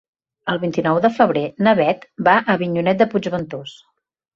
El vint-i-nou de febrer na Beth va a Avinyonet de Puigventós.